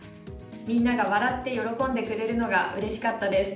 みんなが笑って喜んでくれるのがうれしかったです。